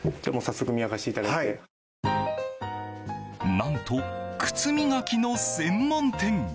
何と、靴磨きの専門店。